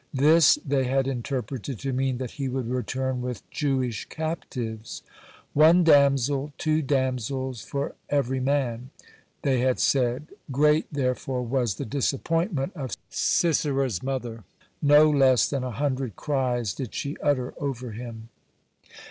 This they had interpreted to mean that he would return with Jewish captives. "One damsel, two damsels for ever man." (88) they had said. Great, therefore, was the disappointment of Sisera's mother. No less than a hundred cries did she utter over him.